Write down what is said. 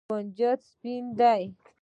کنجد سپین دي.